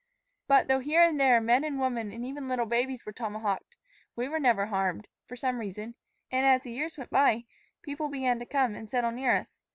"But, though here and there men and women and even little babies were tomahawked, we were never harmed, for some reason; and, as the years went by, people began to come and settle near us.